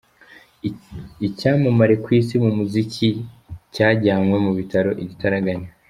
Icyamare kwisi mumuziki cyajyanywe mu bitaro igitaraganya